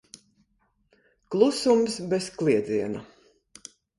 Klusums bez kliedziena.